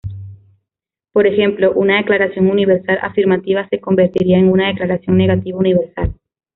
Por ejemplo, una declaración universal afirmativa se convertiría en una declaración negativa universal.